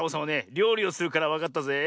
りょうりをするからわかったぜえ。